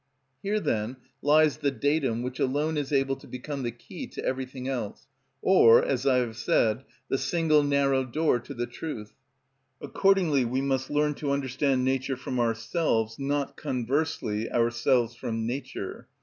Here, then, lies the datum which alone is able to become the key to everything else, or, as I have said, the single narrow door to the truth. Accordingly we must learn to understand nature from ourselves, not conversely ourselves from nature.